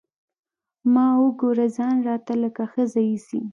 ما وګوره ځان راته لکه ښځه ايسي.